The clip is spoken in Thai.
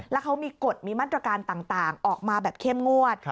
แล้วเขามีกฎมีมาตรการต่างออกมาแบบเข้มงวด